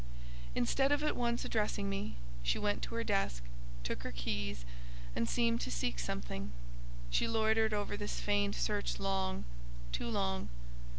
Instead of at once addressing me, she went to her desk, took her keys, and seemed to seek something: she loitered over this feigned search long, too long.